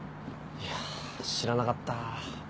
いや知らなかった。